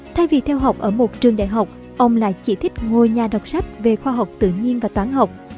thay vì theo học ở một trường đại học ông lại chỉ thích ngồi nhà đọc sách về khoa học tự nhiên và toán học